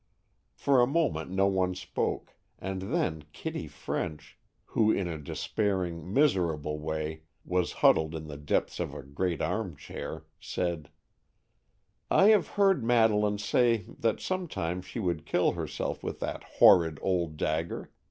For a moment no one spoke, and then Kitty French, who, in a despairing, miserable way, was huddled in the depths of a great arm chair, said: "I have heard Madeleine say that some time she would kill herself with that horrid old dagger.